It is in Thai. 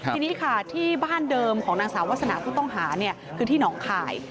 ทีนี้ค่ะที่บ้านเดิมของนางสาววาสนาผู้ต้องหาคือที่หนองคาย